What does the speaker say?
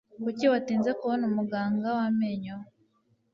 Kuki watinze kubona muganga w amenyo?